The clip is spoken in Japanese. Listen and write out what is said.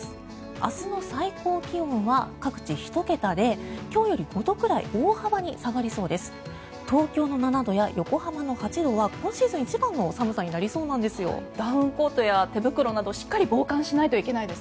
明日の最高気温は各地、１桁で今日より５度ぐらい大幅に下がりそうです。